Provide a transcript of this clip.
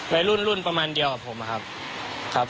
วัยรุ่นรุ่นประมาณเดียวกับผมนะครับ